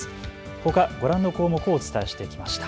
ほかご覧の項目をお伝えしてきました。